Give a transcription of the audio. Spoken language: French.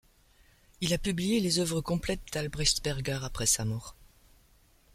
Il a publié les œuvres complètes d'Albrechtsberger après sa mort.